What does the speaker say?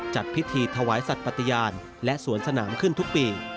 จัดพิธีถวายสัตว์ปฏิญาณและสวนสนามขึ้นทุกปี